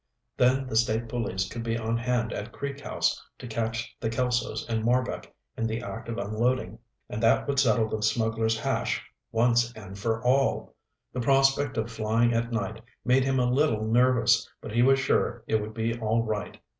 Then the State Police could be on hand at Creek House to catch the Kelsos and Marbek in the act of unloading. And that would settle the smugglers' hash once and for all! The prospect of flying at night made him a little nervous, but he was sure it would be all right.